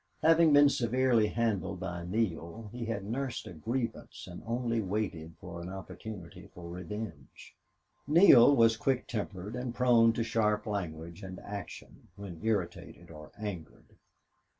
Having been severely handled by Neale, he had nursed a grievance and only waited for an opportunity for revenge. Neale was quick tempered, and prone to sharp language and action when irritated or angered.